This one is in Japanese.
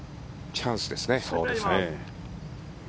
チャンスですね。